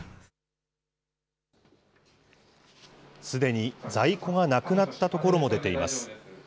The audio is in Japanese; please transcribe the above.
すでに在庫がなくなったところも出ています。